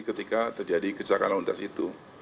ketika terjadi kecelakaan lontas itu